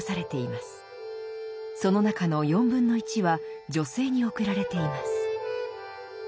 その中の４分の１は女性に送られています。